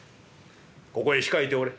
ここへ控えておれ。